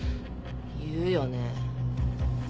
言うよね。